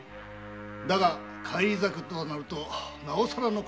だが返り咲くとなるとなおさらのこと。